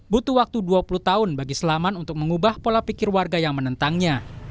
butuh waktu dua puluh tahun bagi selamat untuk mengubah pola pikir warga yang menentangnya